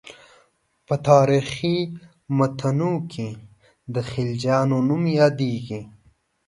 په تاریخي متونو کې د خلجیانو نوم یادېږي.